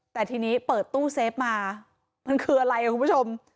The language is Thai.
แต่ทีนี้เปิดตู้เซฟมามันคืออะไรคุณผู้ชม